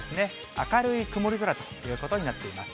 明るい曇り空ということになっています。